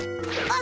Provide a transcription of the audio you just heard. あ！